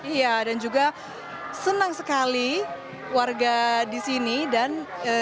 iya dan juga senang sekali warga di sini dan juga bikin bahagian